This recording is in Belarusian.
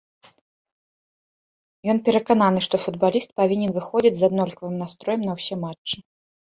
Ён перакананы, што футбаліст павінен выходзіць з аднолькавым настроем на ўсе матчы.